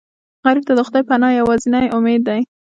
غریب ته د خدای پناه یوازینی امید وي